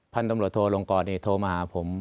พันธุ์ตำรวจโทรลงก่อนเนี่ยโทรมาหาผม